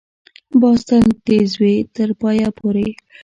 باز تل تېز وي، تر پایه پورې